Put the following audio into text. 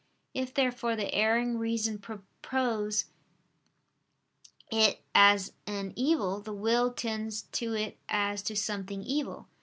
If, therefore, the erring reason propose it as an evil, the will tends to it as to something evil.